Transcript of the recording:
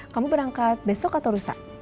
kamu berangkat besok atau rusak